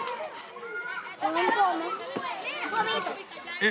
えっ？